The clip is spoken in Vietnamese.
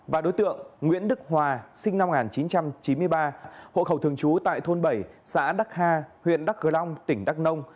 và đối tượng nguyễn đức hòa sinh năm một nghìn chín trăm chín mươi ba hộ khẩu thường trú tại thôn bảy xã đắc ha huyện đắk cờ long tỉnh đắk nông